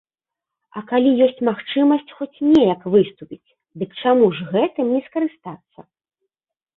А калі ёсць магчымасць хоць неяк выступіць, дык чаму ж гэтым не скарыстацца?